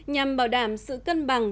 nhằm bảo đảm sự cân bằng